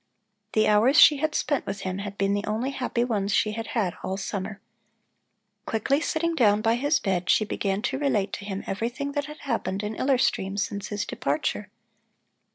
The hours she had spent with him had been the only happy ones she had had all summer. Quickly sitting down by his bed, she began to relate to him everything that had happened in Iller Stream since his departure.